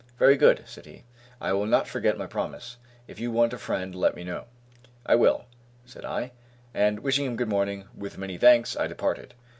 "Very good," said he; "I will not forget my promise. If you want a friend let me know." "I will," said I, and wishing him good morning, with many thanks, I departed.